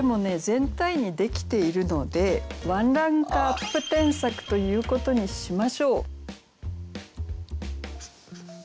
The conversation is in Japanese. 全体にできているのでワンランクアップ添削ということにしましょう。